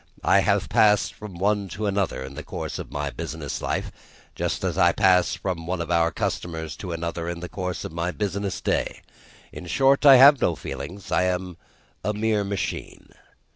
I have passed from one to another, in the course of my business life, just as I pass from one of our customers to another in the course of my business day; in short, I have no feelings; I am a mere machine.